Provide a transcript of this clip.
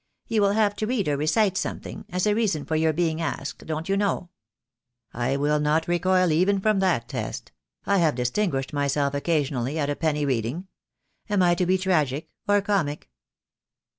You will have to read or recite something, as a reason for your being asked, don't you know." "I will not recoil even from that test. I have distin guished myself occasionally at a Penny Reading. Am I to be tragic — or comic?"